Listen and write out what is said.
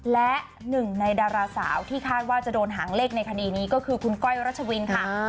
และหนึ่งในดาราสาวที่คาดว่าจะโดนหางเลขในคดีนี้ก็คือคุณก้อยรัชวินค่ะ